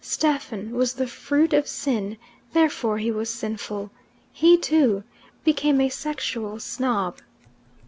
Stephen was the fruit of sin; therefore he was sinful, He, too, became a sexual snob.